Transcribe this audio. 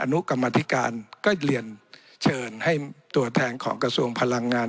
นุกรรมธิการก็เรียนเชิญให้ตัวแทนของกระทรวงพลังงาน